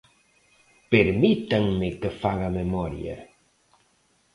Permítanme que faga memoria.